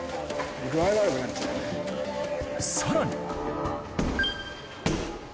さらに。